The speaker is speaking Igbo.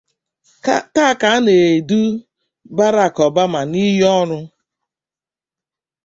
Taa ka a na-edu Barack Obama n’iyi-olu